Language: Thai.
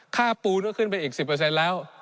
ค่าปูน่ะขึ้นไปอีก๑๐แล้ว